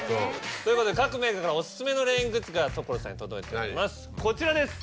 ということで各メーカーからオススメのレイングッズが所さんに届いておりますこちらです。